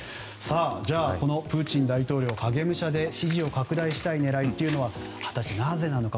このプーチン大統領、影武者で支持を拡大したい狙いは果たしてなぜなのか